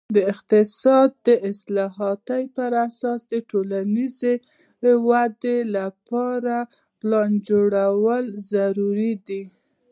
د اقتصاد د اصلاحاتو پر اساس د ټولنیزې ودې لپاره پلان جوړول ضروري دي.